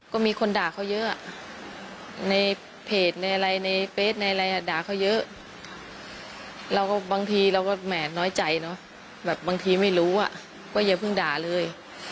ก็มีคนด่าเขาเยอะในเพจในอะไรในเฟสในอะไรอ่ะด่าเขาเยอะเราก็บางทีเราก็แหมน้อยใจเนอะแบบบางทีไม่รู้อ่ะว่าอย่าเพิ่งด่าเลย